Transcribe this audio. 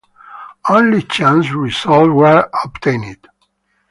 Only chance results were obtained.